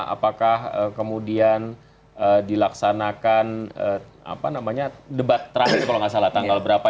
apakah kemudian dilaksanakan apa namanya debat terakhir kalau tidak salah tanggal berapa